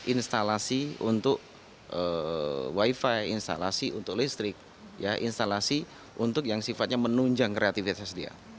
instalasi untuk wifi instalasi untuk listrik instalasi untuk yang sifatnya menunjang kreativitas dia